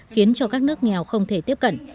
khiến cho các nước nghèo không thể tiếp cận